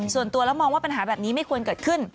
ส่วนตัวแล้วมองว่าปัญหาแบบนี้ไม่ควรเกิดขึ้น